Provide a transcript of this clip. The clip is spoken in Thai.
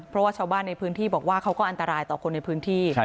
เพราะว่าชาวบ้านในพื้นที่บอกว่าเขาก็อันตรายต่อคนในพื้นที่